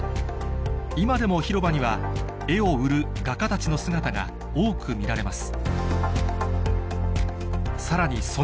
今でも広場には絵を売る画家たちの姿が多く見られます